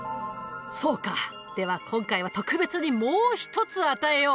そうかでは今回は特別にもう一つ与えよう。